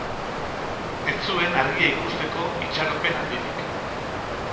Ez zuen argia ikusteko itxaropen handirik.